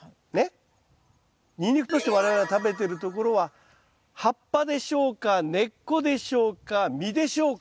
ニンニクとして我々が食べてるところは葉っぱでしょうか根っこでしょうか実でしょうか？